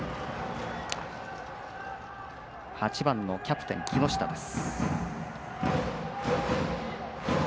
８番のキャプテンの木下です。